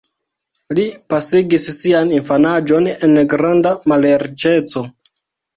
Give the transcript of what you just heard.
Li pasigis sian infanaĝon en granda malriĉeco.